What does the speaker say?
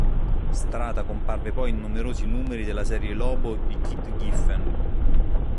Strata comparve poi in numerosi numeri della serie "Lobo" di Keith Giffen.